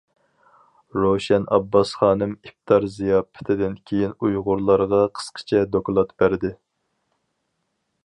روشەن ئابباس خانىم ئىپتار زىياپىتىدىن كېيىن ئۇيغۇرلارغا قىسقىچە دوكلات بەردى.